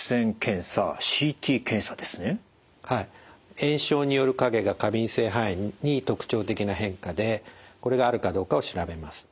炎症による影が過敏性肺炎に特徴的な変化でこれがあるかどうかを調べます。